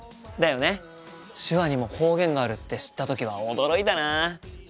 手話にも方言があるって知った時は驚いたな。